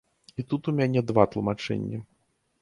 І тут у мяне два тлумачэнні.